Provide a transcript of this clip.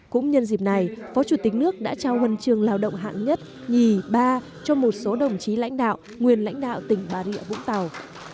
cũng nhân dịp này phó chủ tịch nước đã trao huân trường lao động hạng nhất nhì ba cho một số đồng chí lãnh đạo nguyên lãnh đạo tỉnh bà rịa vũng tàu